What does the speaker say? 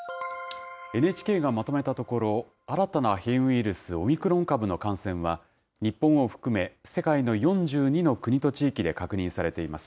ＮＨＫがまとめたところ、新たな変異ウイルス、オミクロン株の感染は、日本を含め世界の４２の国と地域で確認されています。